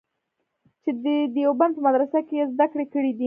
چې د دیوبند په مدرسه کې یې زده کړې کړې دي.